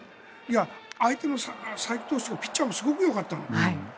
相手の才木投手ピッチャーもすごくよかった。